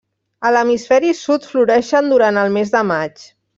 A l'hemisferi sud floreixen durant el mes de maig.